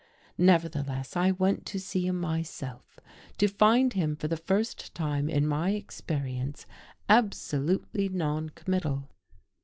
Nevertheless I went to him myself, to find him for the first time in my experience absolutely non committal.